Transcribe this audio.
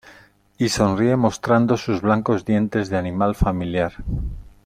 y sonríe mostrando sus blancos dientes de animal familiar.